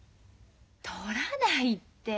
とらないって。